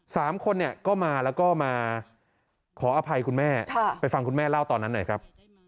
สามคนเนี่ยก็มาแล้วก็มาขออภัยคุณแม่ค่ะไปฟังคุณแม่เล่าตอนนั้นหน่อยครับ